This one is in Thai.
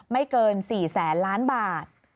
ไม่เกิน๔แสนล้านบาท